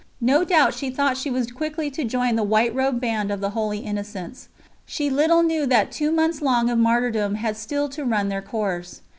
No doubt she thought she was quickly to join the white robed band of the Holy Innocents. She little knew that two long months of martyrdom had still to run their course.